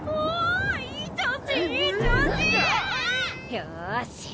よし！